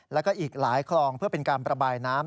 แล้วก็อีกหลายคลองเพื่อเป็นการประบายน้ำ